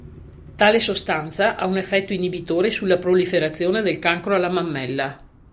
Tale sostanza ha un effetto inibitore sulla proliferazione del cancro alla mammella.